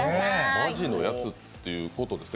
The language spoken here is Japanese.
マジのやつってことですね？